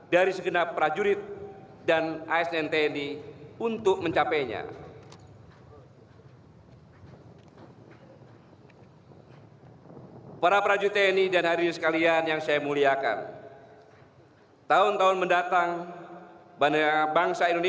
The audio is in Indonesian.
dari segenap prajurit dan asn tni untuk mencapainya